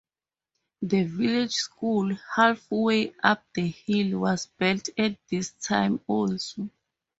The village school, halfway up the hill, was built at this time also.